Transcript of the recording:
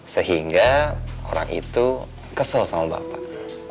sehingga orang itu kesel sama bapak